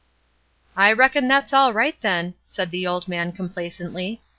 "I reckon that's all right then," said the old man, complacently.